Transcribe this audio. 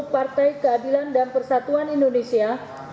dua puluh partai keadilan dan persatuan indonesia